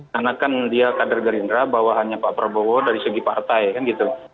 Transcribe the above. karena kan dia kader gerindra bahwa hanya pak prabowo dari segi partai kan gitu